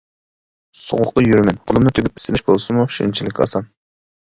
سوغۇقتا يۈرىمەن قولۇمنى تۈگۈپ ئىسسىنىش بولسىمۇ شۇنچىلىك ئاسان.